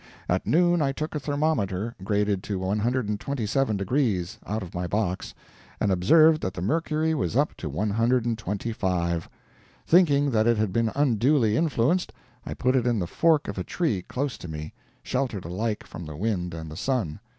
At noon I took a thermometer graded to 127 deg., out of my box, and observed that the mercury was up to 125. Thinking that it had been unduly influenced, I put it in the fork of a tree close to me, sheltered alike from the wind and the sun.